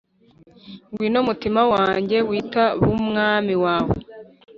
Ngwino, mutima wanjye, Witab' Umwami wawe !